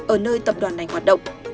ở nơi tập đoàn này hoạt động